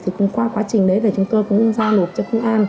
thì cũng qua quá trình đấy là chúng tôi cũng giao nộp cho công an